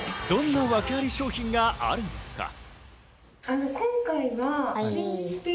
どんなワケあり商品があるのか。